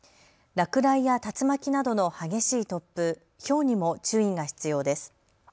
落雷や竜巻などの激しい突風、ひょうにも注意が必要です。